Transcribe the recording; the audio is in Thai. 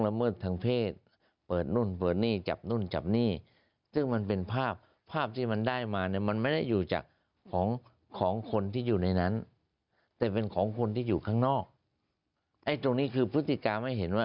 แล้วฝ่ายนั้นเขาก็ตั้งคณะทำงาน